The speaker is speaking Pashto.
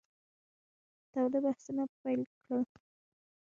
تاوده بحثونه پیل کړل.